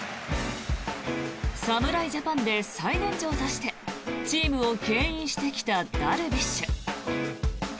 侍ジャパンで最年長としてチームをけん引してきたダルビッシュ。